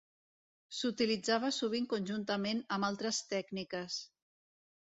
S'utilitzava sovint conjuntament amb altres tècniques.